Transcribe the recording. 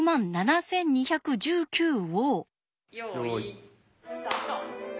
よいスタート。